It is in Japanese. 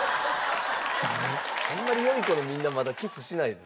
あんまり良い子のみんなまだキスしないですけどね。